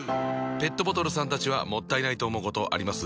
ペットボトルさんたちはもったいないと思うことあります？